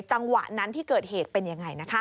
จังหวะนั้นที่เกิดเหตุเป็นอย่างไรนะคะ